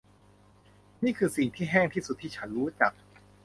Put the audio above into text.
นี่คือสิ่งที่แห้งที่สุดที่ฉันรู้จัก